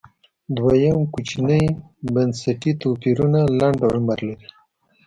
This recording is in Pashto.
دویم کوچني بنسټي توپیرونه لنډ عمر لري